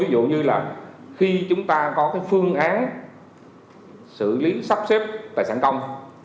ví dụ như là khi chúng ta có cái phương án xử lý sắp xếp tài sản công